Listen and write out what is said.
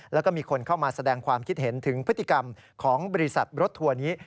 แล้วก็มีคนเข้ามาแสดงความคิดเห็นถึงพฤติกรรมของบริษัทรถทัวร์นี้